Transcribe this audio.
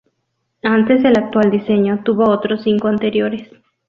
Antes del actual diseño tuvo otros cinco anteriores.